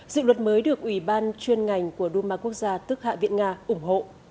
dự luật mới được ủy ban chuyên ngành của đuôn ma quốc gia tức hạ viện nga ủng hộ